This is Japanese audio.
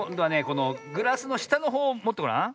このグラスのしたのほうをもってごらん。